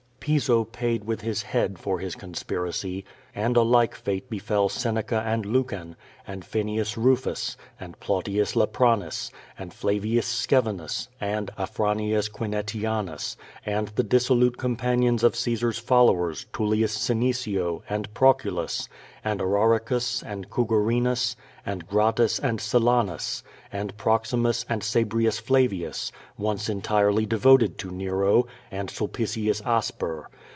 Piso paid with his head for his conspiracy. And a like fati? befell Seneca and Lucan, and Fenius Rufus, and Plautius Lapranus, and Flavius Scevinus, and Afranius Quinetianus, and the dissolute companions of Caesar's followers, Tullius Senecio, and Proculus, and Araricus and Cugurinus, and Gratus and Silanus, and Proximus, and Sabrius Flavius, once entirely devoted to Nero, and Sulpicius Asper.